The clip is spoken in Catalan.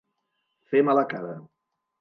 Fer mala cara.